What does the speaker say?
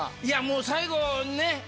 いやもう最後ね